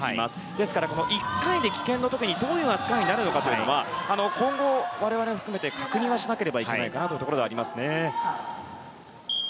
ですから、１回で棄権の時にどういう扱いになるのかは今後、我々含めて確認しなければいけないところかなと思います。